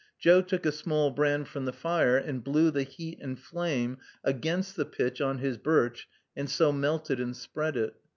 Joe took a small brand from the fire and blew the heat and flame against the pitch on his birch, and so melted and spread it.